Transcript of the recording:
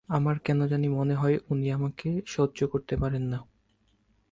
আমার কেন জানি মনে হয় উনি আমাকে সহ্য করতে পারেন না।